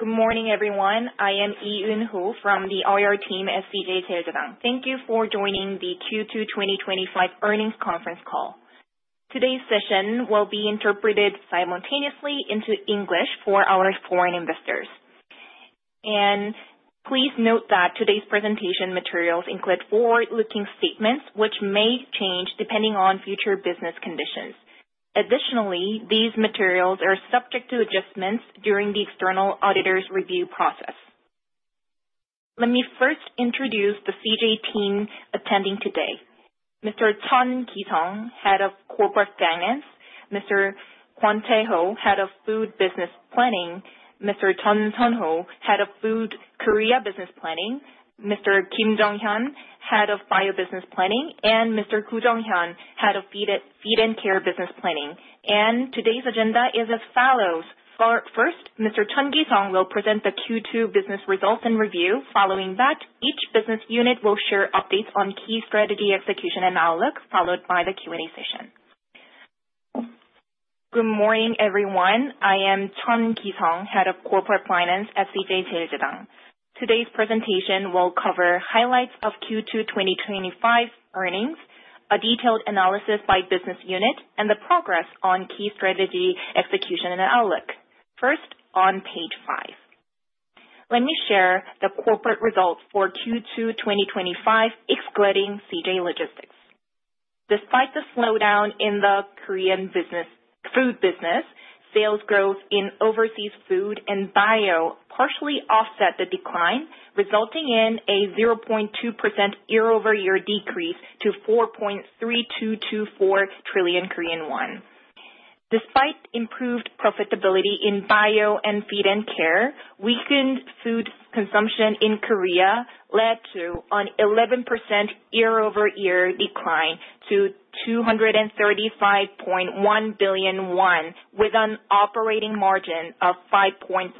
Good morning, everyone. I am Lee Eun-ho from the IR team at CJ Cheiljedang. Thank you for joining the Q2 2025 earnings conference call. Today's session will be interpreted simultaneously into English for our foreign investors. Please note that today's presentation materials include forward-looking statements, which may change depending on future business conditions. Additionally, these materials are subject to adjustments during the external auditor's review process. Let me first introduce the CJ team attending today: Mr. Chun Ki-sung, Head of Corporate Finance; Mr. Kwon Tae-ho, Head of Food Business Planning; Mr. Chun Sun-ho, Head of Food Korea Business Planning; Mr. Kim Jeong-hyun, Head of Bio Business Planning; and Mr. Koo Jeong-hyun, Head of Feed and Care Business Planning. Today's agenda is as follows: first, Mr. Chun Ki-sung will present the Q2 business results and review. Following that, each business unit will share updates on key strategy execution and outlook, followed by the Q&A session. Good morning, everyone. I am Chun Ki-sung, Head of Corporate Finance at CJ Cheiljedang. Today's presentation will cover highlights of Q2 2025 earnings, a detailed analysis by business unit, and the progress on key strategy execution and outlook. First, on page five, let me share the corporate results for Q2 2025, excluding CJ Logistics. Despite the slowdown in the Korean food business, sales growth in overseas food and bio partially offset the decline, resulting in a 0.2% year-over-year decrease to 4.3224 trillion Korean won. Despite improved profitability in bio and feed and care, weakened food consumption in Korea led to an 11% year-over-year decline to 235.1 billion won, with an operating margin of 5.4%.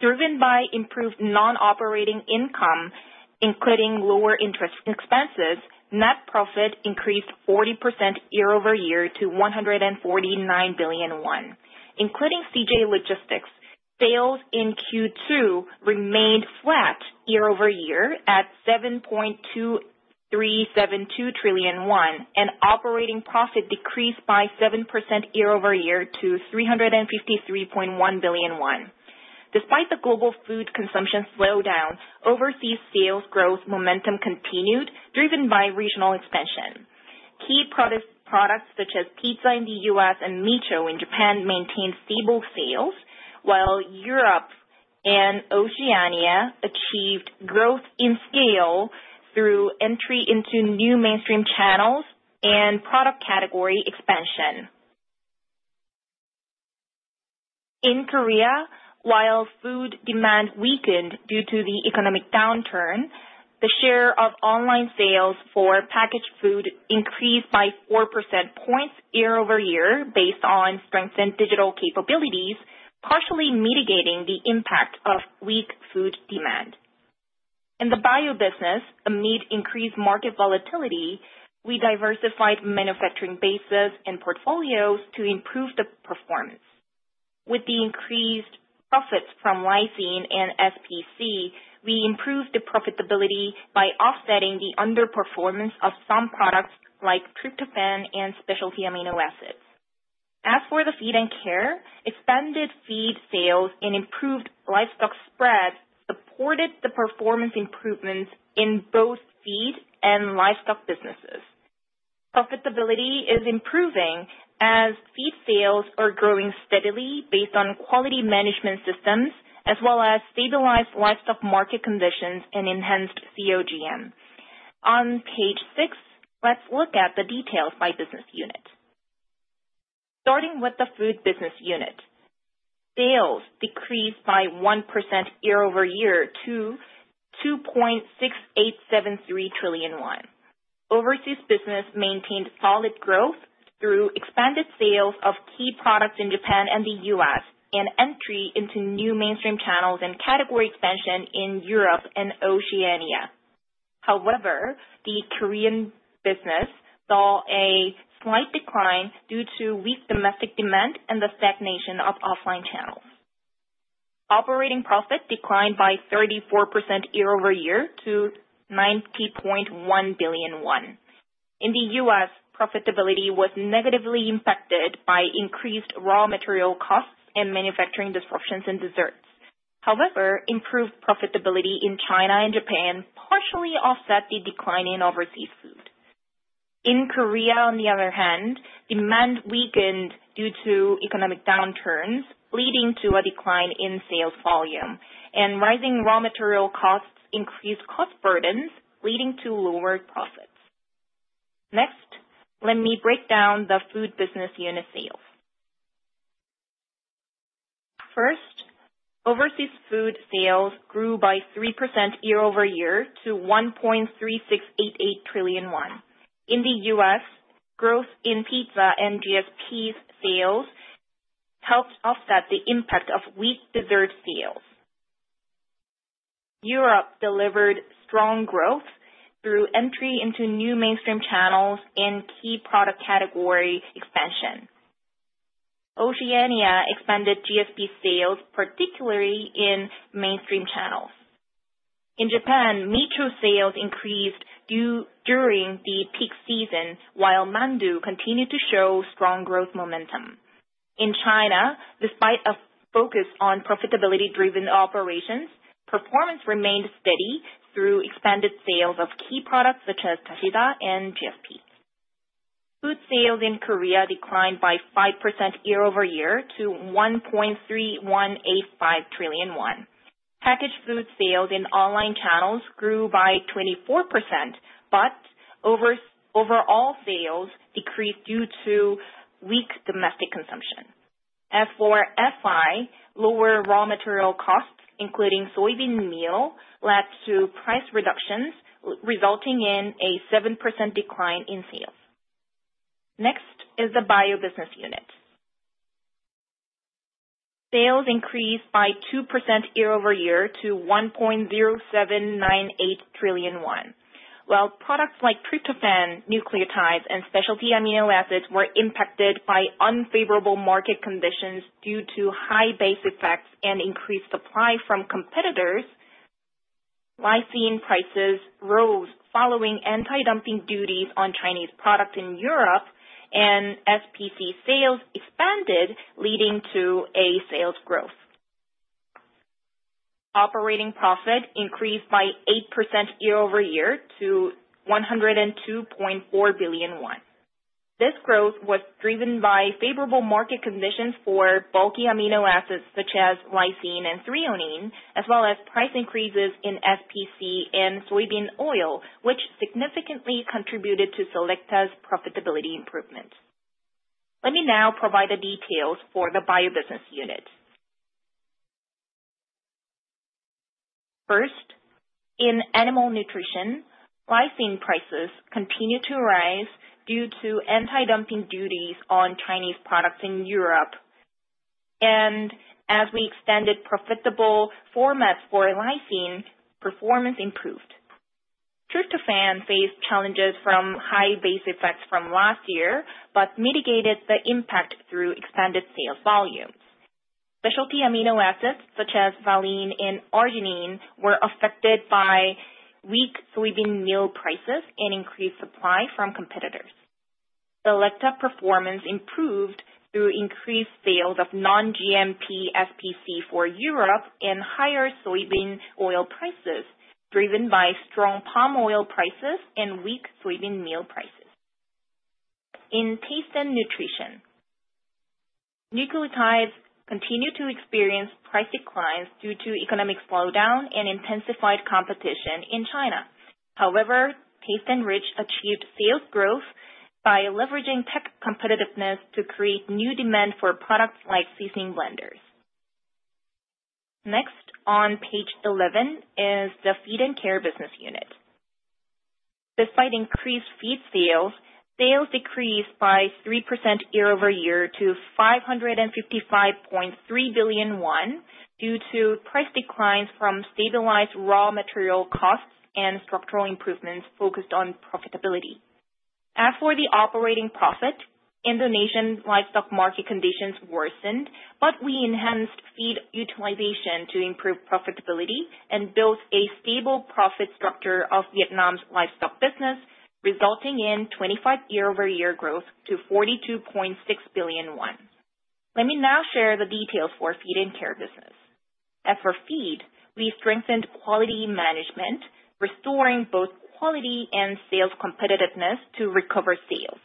Driven by improved non-operating income, including lower interest expenses, net profit increased 40% year-over-year to 149 billion. Including CJ Logistics, sales in Q2 remained flat year-over-year at 7.2372 trillion won, and operating profit decreased by 7% year-over-year to 353.1 billion won. Despite the global food consumption slowdown, overseas sales growth momentum continued, driven by regional expansion. Key products such as pizza in the U.S. and Micho in Japan maintained stable sales, while Europe and Oceania achieved growth in scale through entry into new mainstream channels and product category expansion. In Korea, while food demand weakened due to the economic downturn, the share of online sales for packaged food increased by 4 percentage points year-over-year based on strengthened digital capabilities, partially mitigating the impact of weak food demand. In the bio business, amid increased market volatility, we diversified manufacturing bases and portfolios to improve the performance. With the increased profits from lysine and SPC, we improved the profitability by offsetting the underperformance of some products like tryptophan and specialty amino acids. As for the feed and care, expanded feed sales and improved livestock spread supported the performance improvements in both feed and livestock businesses. Profitability is improving as feed sales are growing steadily based on quality management systems, as well as stabilized livestock market conditions and enhanced COGM. On page six, let's look at the details by business unit. Starting with the food business unit, sales decreased by 1% year-over-year to 2.6873 trillion won. Overseas business maintained solid growth through expanded sales of key products in Japan and the U.S. and entry into new mainstream channels and category expansion in Europe and Oceania. However, the Korean business saw a slight decline due to weak domestic demand and the stagnation of offline channels. Operating profit declined by 34% year-over-year to 90.1 billion won. In the U.S., profitability was negatively impacted by increased raw material costs and manufacturing disruptions in desserts. However, improved profitability in China and Japan partially offset the decline in overseas food. In Korea, demand weakened due to economic downturns, leading to a decline in sales volume. Rising raw material costs increased cost burdens, leading to lowered profits. Next, let me break down the food business unit sales. First, overseas food sales grew by 3% year-over-year to 1.3688 trillion won. In the U.S., growth in pizza and GSP sales helped offset the impact of weak dessert sales. Europe delivered strong growth through entry into new mainstream channels and key product category expansion. Oceania expanded GSP sales, particularly in mainstream channels. In Japan, Micho sales increased during the peak season, while Mandu continued to show strong growth momentum. In China, despite a focus on profitability-driven operations, performance remained steady through expanded sales of key products such as Dasida and GSP. Food sales in Korea declined by 5% year-over-year to 1.3185 trillion won. Packaged food sales in online channels grew by 24%, but overall sales decreased due to weak domestic consumption. As for FI, lower raw material costs, including soybean meal, led to price reductions, resulting in a 7% decline in sales. Next is the bio business unit. Sales increased by 2% year-over-year to 1.0798 trillion won, while products like tryptophan, nucleotides, and specialty amino acids were impacted by unfavorable market conditions due to high base effects and increased supply from competitors. Lysine prices rose following anti-dumping duties on Chinese products in Europe, and SPC sales expanded, leading to a sales growth. Operating profit increased by 8% year-over-year to 102.4 billion won. This growth was driven by favorable market conditions for bulky amino acids such as lysine and threonine, as well as price increases in SPC and soybean oil, which significantly contributed to Selecta's profitability improvements. Let me now provide the details for the bio business unit. First, in animal nutrition, lysine prices continue to rise due to anti-dumping duties on Chinese products in Europe. As we extended profitable formats for lysine, performance improved. Tryptophan faced challenges from high base effects from last year but mitigated the impact through expanded sales volumes. Specialty amino acids such as valine and arginine were affected by weak soybean meal prices and increased supply from competitors. Selecta performance improved through increased sales of non-GMP SPC for Europe and higher soybean oil prices, driven by strong palm oil prices and weak soybean meal prices. In taste and nutrition, nucleotides continue to experience price declines due to economic slowdown and intensified competition in China. However, taste and rich achieved sales growth by leveraging tech competitiveness to create new demand for products like seasoning blenders. Next, on page 11 is the feed and care business unit. Despite increased feed sales, sales decreased by 3% year-over-year to 555.3 billion won due to price declines from stabilized raw material costs and structural improvements focused on profitability. As for the operating profit, Indonesian livestock market conditions worsened, but we enhanced feed utilization to improve profitability and built a stable profit structure of Vietnam's livestock business, resulting in 25% year-over-year growth to 42.6 billion won. Let me now share the details for feed and care business. As for feed, we strengthened quality management, restoring both quality and sales competitiveness to recover sales.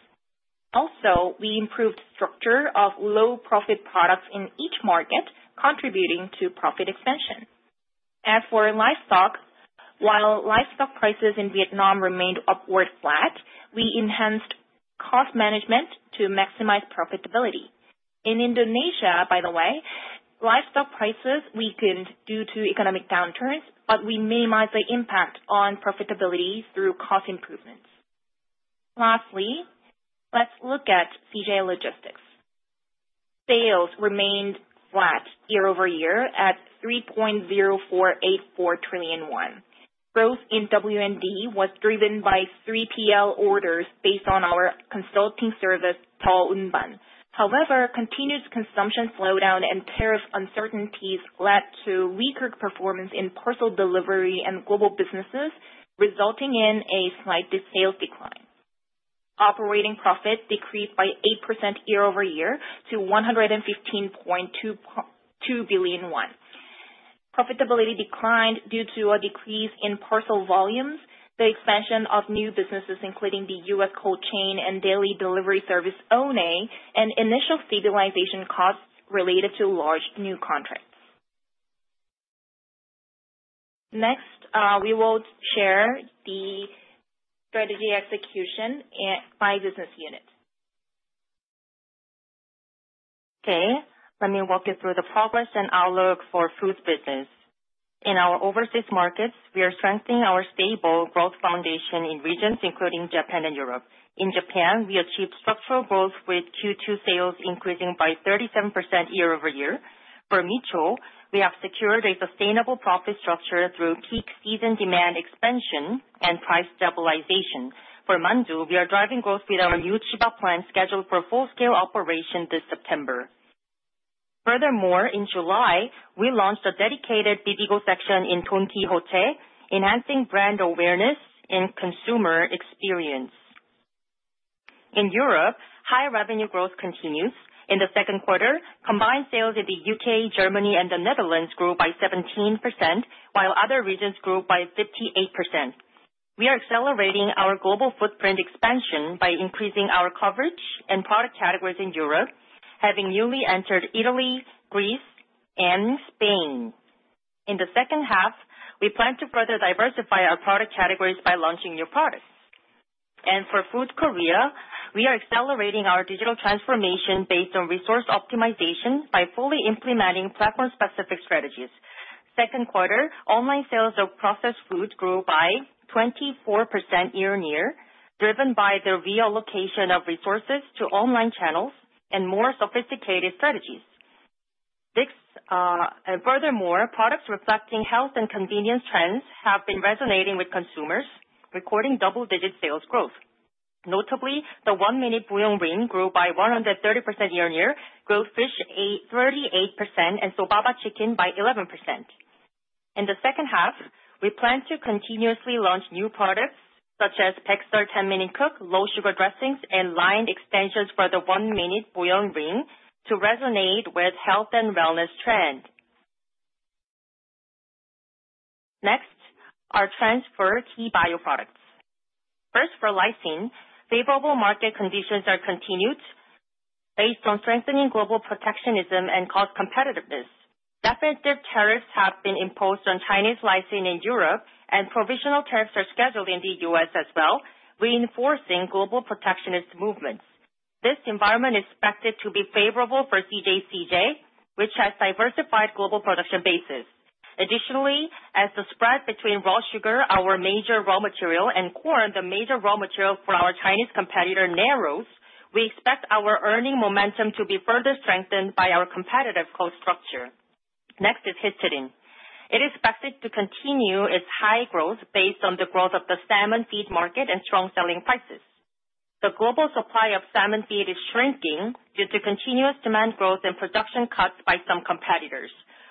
Also, we improved the structure of low-profit products in each market, contributing to profit expansion. As for livestock, while livestock prices in Vietnam remained upward flat, we enhanced cost management to maximize profitability. In Indonesia, by the way, livestock prices weakened due to economic downturns, but we minimized the impact on profitability through cost improvements. Lastly, let's look at CJ Logistics. Sales remained flat year-over-year at 3.0484 trillion won. Growth in W&D was driven by 3PL orders based on our consulting service, TAU [UNBAN]. However, continued consumption slowdown and tariff uncertainties led to weaker performance in parcel delivery and global businesses, resulting in a slight sales decline. Operating profit decreased by 8% year-over-year to 115.2 billion won. Profitability declined due to a decrease in parcel volumes, the expansion of new businesses, including the U.S. cold chain and daily delivery service ONE, and initial stabilization costs related to large new contracts. Next, we will share the strategy execution by business unit. Okay, let me walk you through the progress and outlook for food business. In our overseas markets, we are strengthening our stable growth foundation in regions, including Japan and Europe. In Japan, we achieved structural growth with Q2 sales increasing by 37% year-over-year. For Micho, we have secured a sustainable profit structure through peak season demand expansion and price stabilization. For Mandu, we are driving growth with our new Chiba plant scheduled for full-scale operation this September. Furthermore, in July, we launched a dedicated Bibigo section in Don Quijote, enhancing brand awareness and consumer experience. In Europe, high revenue growth continues. In the second quarter, combined sales in the U.K., Germany, and the Netherlands grew by 17%, while other regions grew by 58%. We are accelerating our global footprint expansion by increasing our coverage and product categories in Europe, having newly entered Italy, Greece, and Spain. In the second half, we plan to further diversify our product categories by launching new products. For Food Korea, we are accelerating our digital transformation based on resource optimization by fully implementing platform-specific strategies. In the second quarter, online sales of processed food grew by 24% year-on-year, driven by the reallocation of resources to online channels and more sophisticated strategies. Furthermore, products reflecting health and convenience trends have been resonating with consumers, recording double-digit sales growth. Notably, the one-minute bouillon ring grew by 130% year-on-year, grilled fish 38%, and Soboro chicken by 11%. In the second half, we plan to continuously launch new products such as PEXR 10-minute cook, low-sugar dressings, and line extensions for the one-minute bouillon ring to resonate with health and wellness trends. Next, our transfer key bio products. First, for lysine, favorable market conditions are continued based on strengthening global protectionism and cost competitiveness. Definitive tariffs have been imposed on Chinese lysine in Europe, and provisional tariffs are scheduled in the U.S. as well, reinforcing global protectionist movements. This environment is expected to be favorable for CJ Cheiljedang, which has diversified global production bases. Additionally, as the spread between raw sugar, our major raw material, and corn, the major raw material for our Chinese competitor, narrows, we expect our earning momentum to be further strengthened by our competitive cost structure. Next is histidine. It is expected to continue its high growth based on the growth of the salmon feed market and strong selling prices. The global supply of salmon feed is shrinking due to continuous demand growth and production cuts by some competitors.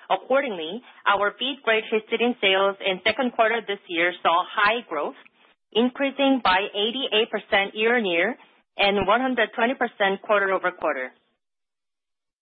Accordingly, our feed-grade Histidine sales in second quarter this year saw high growth, increasing by 88% year-on-year and 120% quarter-over-quarter.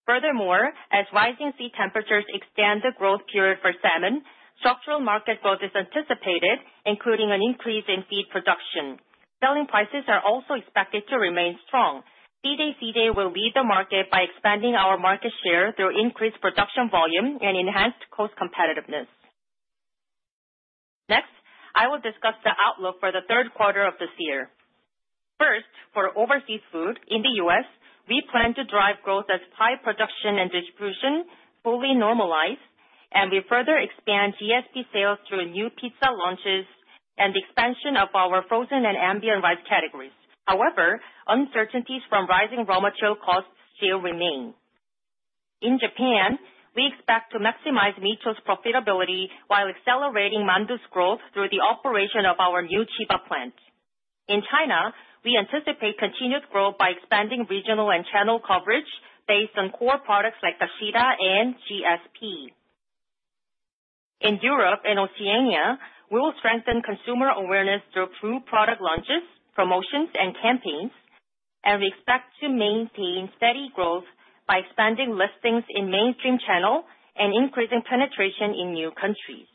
Furthermore, as rising sea temperatures extend the growth period for salmon, structural market growth is anticipated, including an increase in feed production. Selling prices are also expected to remain strong. CJ Cheiljedang will lead the market by expanding our market share through increased production volume and enhanced cost competitiveness. Next, I will discuss the outlook for the third quarter of this year. First, for overseas food in the U.S., we plan to drive growth as pie production and distribution fully normalize, and we further expand GSP sales through new pizza launches and the expansion of our frozen and ambient rice categories. However, uncertainties from rising raw material costs still remain. In Japan, we expect to maximize Micho's profitability while accelerating Mandu's growth through the operation of our new Chiba plant. In China, we anticipate continued growth by expanding regional and channel coverage based on core products like Dasida and GSP. In Europe and Oceania, we will strengthen consumer awareness through product launches, promotions, and campaigns, and we expect to maintain steady growth by expanding listings in mainstream channels and increasing penetration in new countries.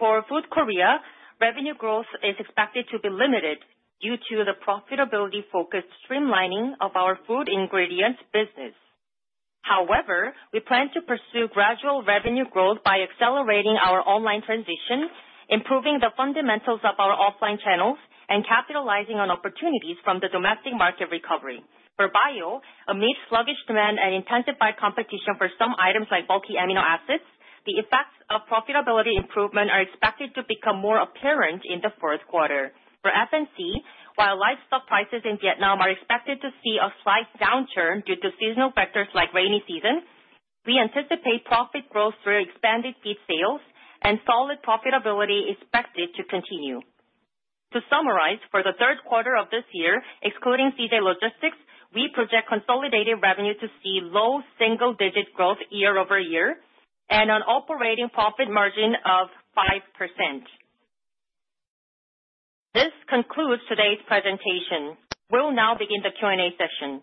For Food Korea, revenue growth is expected to be limited due to the profitability-focused streamlining of our food ingredients business. However, we plan to pursue gradual revenue growth by accelerating our online transition, improving the fundamentals of our offline channels, and capitalizing on opportunities from the domestic market recovery. For bio, amid sluggish demand and intensified competition for some items like bulky amino acids, the effects of profitability improvement are expected to become more apparent in the fourth quarter. For FNC, while livestock prices in Vietnam are expected to see a slight downturn due to seasonal factors like rainy season, we anticipate profit growth through expanded feed sales, and solid profitability is expected to continue. To summarize, for the third quarter of this year, excluding CJ Logistics, we project consolidated revenue to see low single-digit growth year-over-year and an operating profit margin of 5%. This concludes today's presentation. We'll now begin the Q&A session.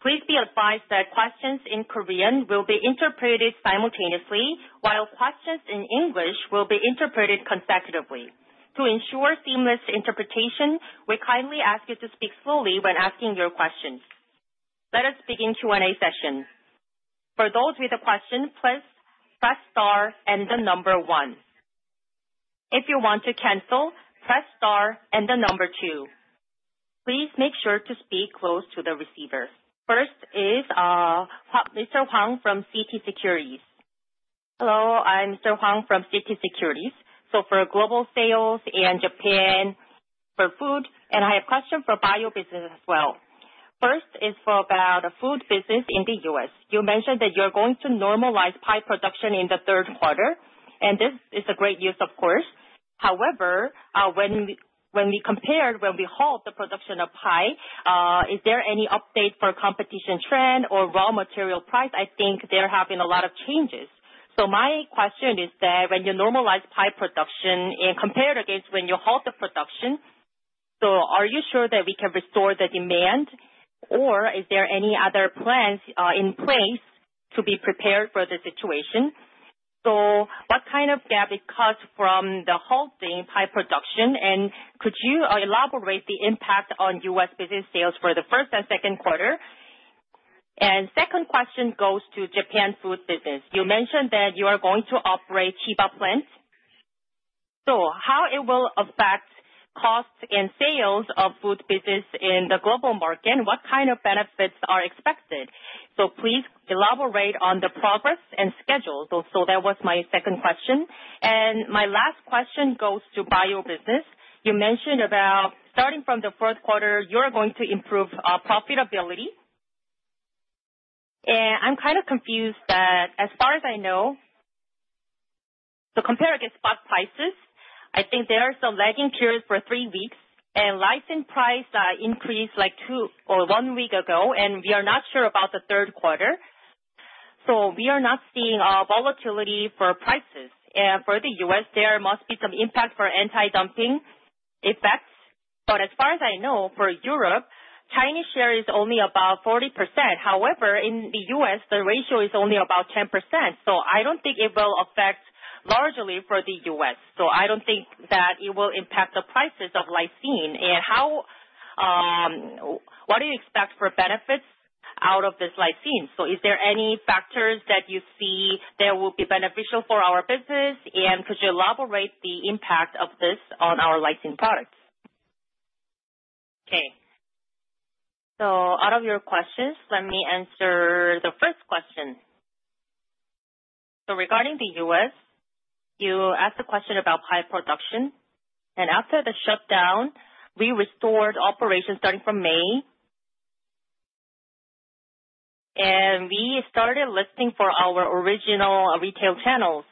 Please be advised that questions in Korean will be interpreted simultaneously, while questions in English will be interpreted consecutively. To ensure seamless interpretation, we kindly ask you to speak slowly when asking your questions. Let us begin Q&A session. For those with a question, please press star and the number one. If you want to cancel, press star and the number two. Please make sure to speak close to the receiver. First is Mr. Hello, I'm [So] Hwang from CT Securities. For global sales and Japan for food, I have a question for bio business as well. First is about the food business in the U.S. You mentioned that you're going to normalize pie production in the third quarter, and this is great news, of course. However, when we compared, when we halted the production of pie, is there any update for competition trend or raw material price? I think there have been a lot of changes. My question is that when you normalize pie production and compare it against when you halted the production, are you sure that we can restore the demand, or is there any other plans in place to be prepared for the situation? What kind of gap did it cause from the halted pie production, and could you elaborate the impact on U.S. business sales for the first and second quarter? My second question goes to Japan food business. You mentioned that you are going to operate Chiba plant. How will it affect costs and sales of food business in the global market, and what kind of benefits are expected? Please elaborate on the progress and schedule. That was my second question. My last question goes to bio business. You mentioned about starting from the fourth quarter, you're going to improve profitability. I'm kind of confused because as far as I know, to compare against spot prices, I think there's a lagging period for three weeks, and lysine price increased like two or one week ago, and we are not sure about the third quarter. We are not seeing volatility for prices. For the U.S., there must be some impact for anti-dumping effects. As far as I know, for Europe, Chinese share is only about 40%. However, in the U.S., the ratio is only about 10%. I do not think it will affect largely for the U.S. I do not think that it will impact the prices of lysine. What do you expect for benefits out of this lysine? Is there any factors that you see that will be beneficial for our business, and could you elaborate the impact of this on our lysine products? Okay. Out of your questions, let me answer the first question. Regarding the U.S., you asked a question about pie production. After the shutdown, we restored operations starting from May, and we started listing for our original retail channels.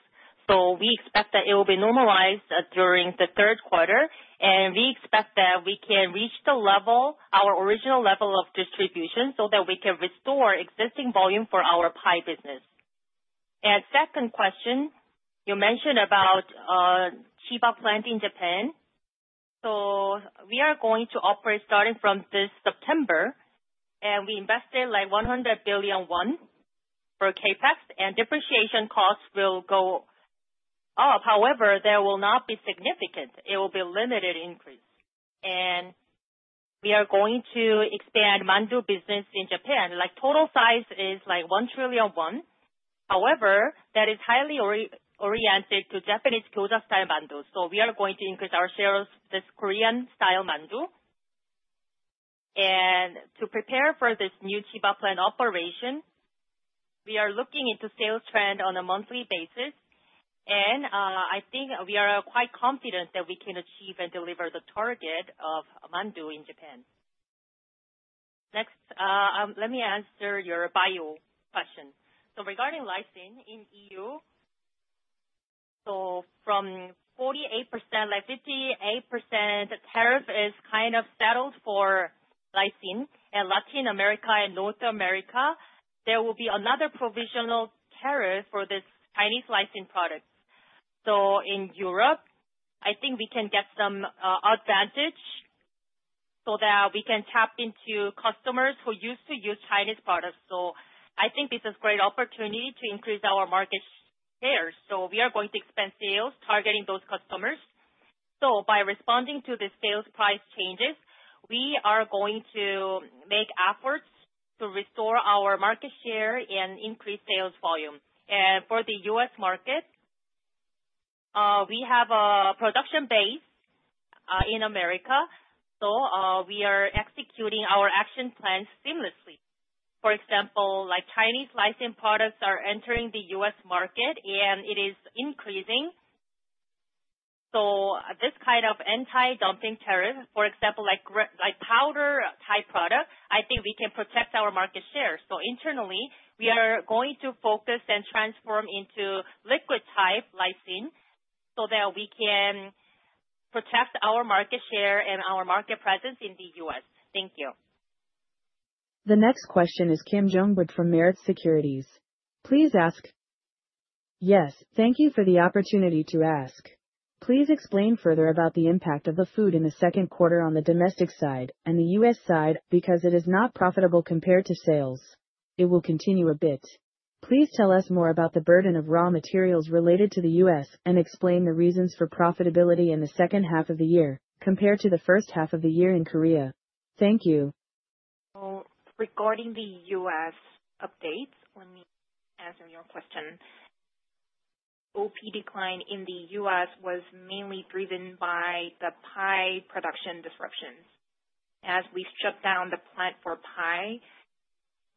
We expect that it will be normalized during the third quarter, and we expect that we can reach the level, our original level of distribution, so that we can restore existing volume for our pie business. Second question, you mentioned about Chiba plant in Japan. We are going to operate starting from this September, and we invested 100 billion won for CapEx, and depreciation costs will go up. However, there will not be significant. It will be a limited increase. We are going to expand Mandu business in Japan. Total size is like 1 trillion won. However, that is highly oriented to Japanese Kyozan style Mandu. We are going to increase our shares of this Korean style Mandu. To prepare for this new Chiba plant operation, we are looking into sales trend on a monthly basis, and I think we are quite confident that we can achieve and deliver the target of Mandu in Japan. Next, let me answer your bio question. Regarding lysine in EU, from 48%-58% tariff is kind of settled for lysine. In Latin America and North America, there will be another provisional tariff for this Chinese lysine product. In Europe, I think we can get some advantage so that we can tap into customers who used to use Chinese products. I think this is a great opportunity to increase our market share. We are going to expand sales, targeting those customers. By responding to the sales price changes, we are going to make efforts to restore our market share and increase sales volume. For the U.S. market, we have a production base in America, so we are executing our action plans seamlessly. For example, like Chinese lysine products are entering the U.S. market, and it is increasing. This kind of anti-dumping tariff, for example, like powder type product, I think we can protect our market share. Internally, we are going to focus and transform into liquid type lysine so that we can protect our market share and our market presence in the U.S. Thank you. The next question is Kim Yong Beom from Meritz Securities. Please ask. Yes, thank you for the opportunity to ask. Please explain further about the impact of the food in the second quarter on the domestic side and the U.S. side because it is not profitable compared to sales. It will continue a bit. Please tell us more about the burden of raw materials related to the U.S. and explain the reasons for profitability in the second half of the year compared to the first half of the year in Korea. Thank you. Regarding the U.S. updates, let me answer your question. OP decline in the U.S. was mainly driven by the pie production disruptions. As we shut down the plant for pie,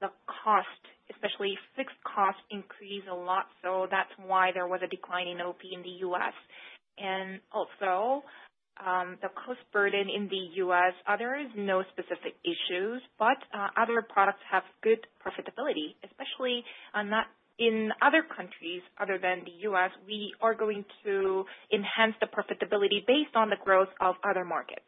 the cost, especially fixed cost, increased a lot, so that's why there was a decline in OP in the U.S. Also, the cost burden in the U.S., there are no specific issues, but other products have good profitability, especially in other countries other than the U.S. We are going to enhance the profitability based on the growth of other markets.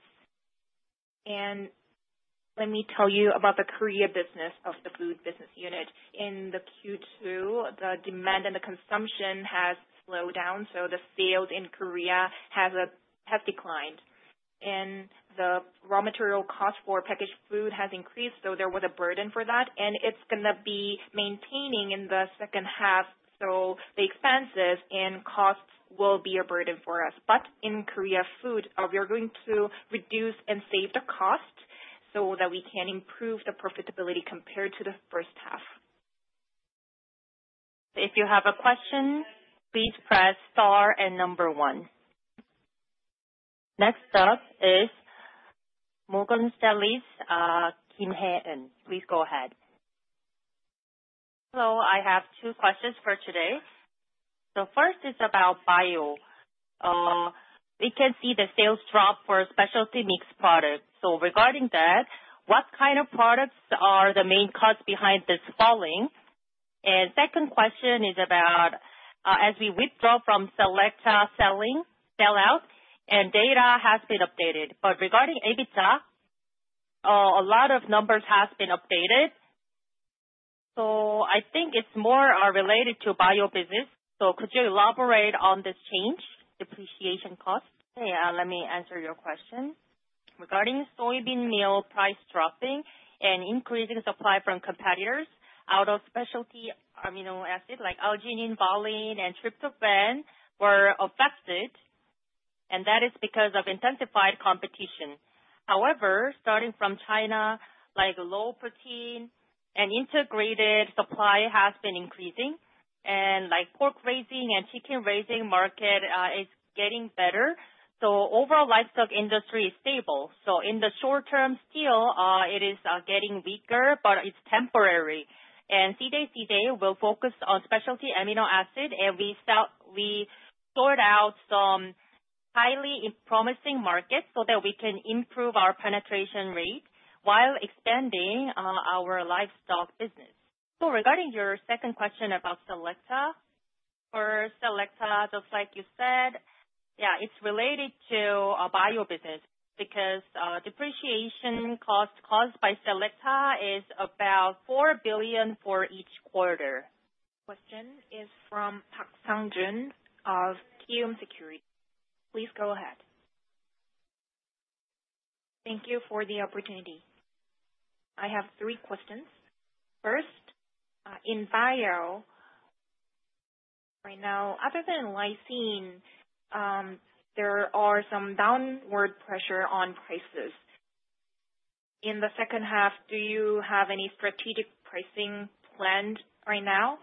Let me tell you about the Korea business of the food business unit. In Q2, the demand and the consumption has slowed down, so the sales in Korea have declined. The raw material cost for packaged food has increased, so there was a burden for that, and it is going to be maintaining in the second half, so the expenses and costs will be a burden for us. In Korea food, we are going to reduce and save the cost so that we can improve the profitability compared to the first half. If you have a question, please press star and number one. Next up is Morgan Stanley's Kim Hae-in. Please go ahead. Hello, I have two questions for today. The first is about bio. We can see the sales drop for specialty mix products. So regarding that, what kind of products are the main cause behind this falling? The second question is about as we withdraw from Selecta selling sellout, and data has been updated. Regarding EBITDA, a lot of numbers have been updated. I think it is more related to bio business. Could you elaborate on this change? Depreciation cost. Okay, let me answer your question. Regarding soybean meal price dropping and increasing supply from competitors, out of specialty amino acids like arginine, valine, and tryptophan were affected, and that is because of intensified competition. However, starting from China, low protein and integrated supply has been increasing, and pork raising and chicken raising market is getting better. Overall, livestock industry is stable. In the short term, still it is getting weaker, but it is temporary. CJ Cheiljedang will focus on specialty amino acid, and we sort out some highly promising markets so that we can improve our penetration rate while expanding our livestock business. Regarding your second question about Selecta, for Selecta, just like you said, yeah, it's related to a bio business because depreciation cost caused by Selecta is about 4 billion for each quarter. Question is from Park Sang-jun of Kiwoom Securities. Please go ahead. Thank you for the opportunity. I have three questions. First, in bio, right now, other than lysine, there are some downward pressure on prices. In the second half, do you have any strategic pricing planned right now?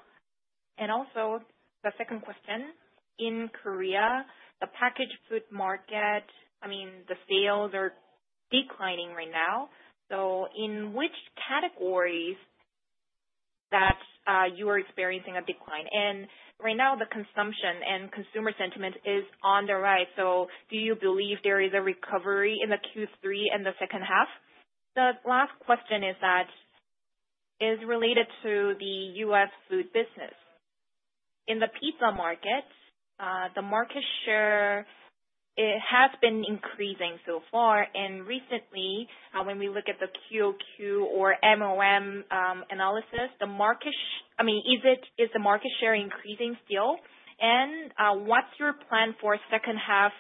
Also, the second question, in Korea, the packaged food market, I mean, the sales are declining right now. In which categories are you experiencing a decline? Right now, the consumption and consumer sentiment is on the rise. Do you believe there is a recovery in Q3 and the second half? The last question is related to the U.S. food business. In the pizza market, the market share has been increasing so far. Recently, when we look at the Q.Q. or M.O.M. analysis, is the market share increasing still? What's your plan for the second half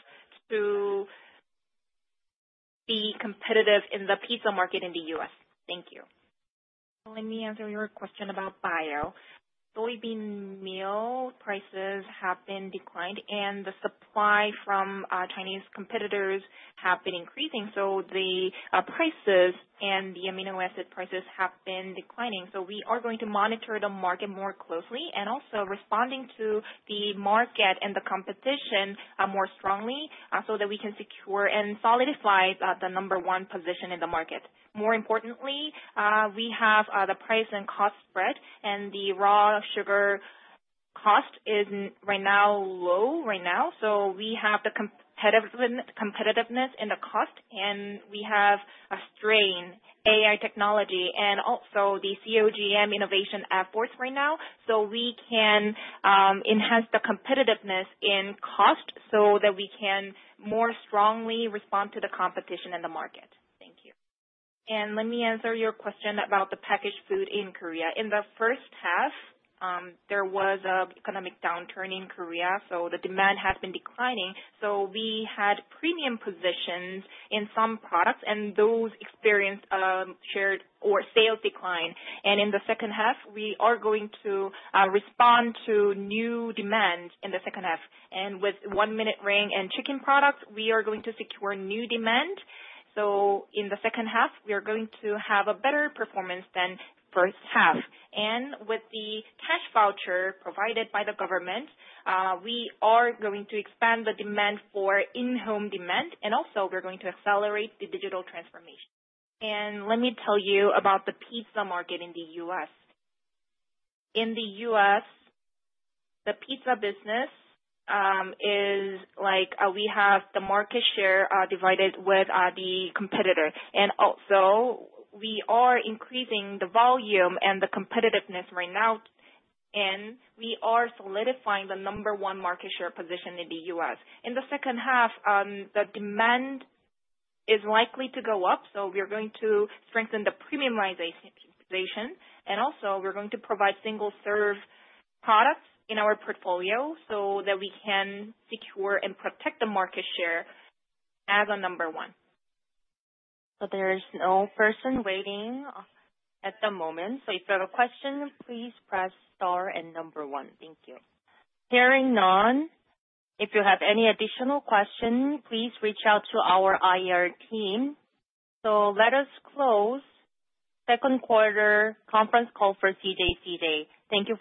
to be competitive in the pizza market in the U.S.? Thank you. Let me answer your question about bio. Soybean meal prices have declined, and the supply from Chinese competitors has been increasing. The prices and the amino acid prices have been declining. We are going to monitor the market more closely and also respond to the market and the competition more strongly so that we can secure and solidify the number one position in the market. More importantly, we have the price and cost spread, and the raw sugar cost is low right now. We have the competitiveness in the cost, and we have a strain, AI technology, and also the COGM innovation efforts right now. We can enhance the competitiveness in cost so that we can more strongly respond to the competition in the market. Thank you. Let me answer your question about the packaged food in Korea. In the first half, there was an economic downturn in Korea, so the demand has been declining. We had premium positions in some products, and those experienced a share or sales decline. In the second half, we are going to respond to new demand in the second half. With one-minute ring and chicken products, we are going to secure new demand. In the second half, we are going to have a better performance than the first half. With the cash voucher provided by the government, we are going to expand the demand for in-home demand. Also, we're going to accelerate the digital transformation. Let me tell you about the pizza market in the U.S. In the U.S., the pizza business is like we have the market share divided with the competitor. Also, we are increasing the volume and the competitiveness right now, and we are solidifying the number one market share position in the U.S. In the second half, the demand is likely to go up, so we're going to strengthen the premiumization. We are going to provide single-serve products in our portfolio so that we can secure and protect the market share as number one. There is no person waiting at the moment. If you have a question, please press star and number one. Thank you. Hearing none, if you have any additional questions, please reach out to our IR team. Let us close the second quarter conference call for CJ Cheiljedang. Thank you.